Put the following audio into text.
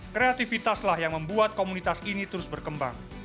kreativitaslah yang membuat komunitas ini terus berkembang